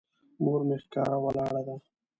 مور مې ښکاره ولاړه ده.